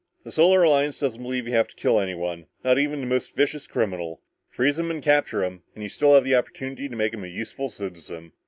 The Solar Alliance doesn't believe you have to kill anyone, not even the most vicious criminal. Freeze him and capture him, and you still have the opportunity of making him a useful citizen."